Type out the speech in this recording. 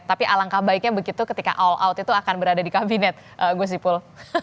tapi alangkah baiknya begitu ketika all out itu akan berada di kabinet gus ipul